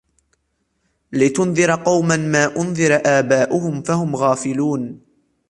لِتُنْذِرَ قَوْمًا مَا أُنْذِرَ آبَاؤُهُمْ فَهُمْ غَافِلُونَ